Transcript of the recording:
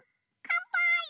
かんぱーい！